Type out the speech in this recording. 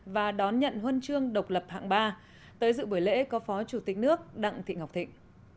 và đón nhận huân chương độc lập hạng ba tới dự buổi lễ có phó chủ tịch nước đặng thị ngọc thịnh